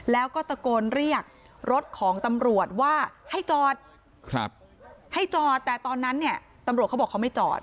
แล้วก็ตะโกนเรียกรถของตำรวจว่าให้จอดให้จอดแต่ตอนนั้นเนี่ยตำรวจเขาบอกเขาไม่จอด